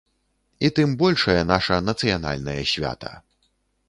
І тым большае наша нацыянальнае свята.